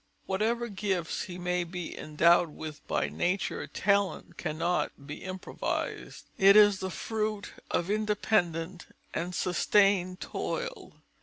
Whatever gifts he may be endowed with by nature, talent cannot be improvised; it is the fruit of independent and sustained toil.